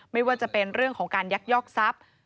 ไม่ว่าจะเป็นเรื่องของการยักยอกทรัพย์